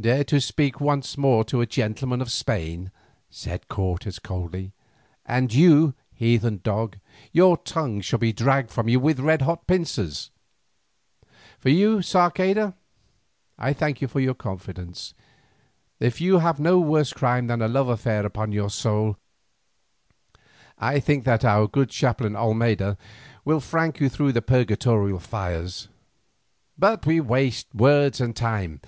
"Dare to speak thus once more to a gentleman of Spain," said Cortes coldly, "and, you heathen dog, your tongue shall be dragged from you with red hot pincers. For you, Sarceda, I thank you for your confidence. If you have no worse crime than a love affair upon your soul, I think that our good chaplain Olmedo will frank you through the purgatorial fires. But we waste words and time.